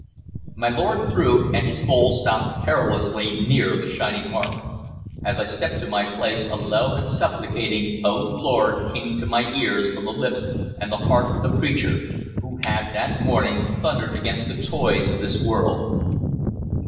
My lord threw, and his bowl stopped perilously near the shining mark. As I stepped to my place a low and supplicating "O Lord!" came to my ears from the lips and the heart of the preacher, who had that morning thundered against the toys of this world.